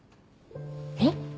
えっ？